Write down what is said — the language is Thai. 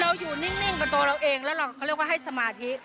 อยู่นิ่งกับตัวเราเองแล้วเราเขาเรียกว่าให้สมาธิ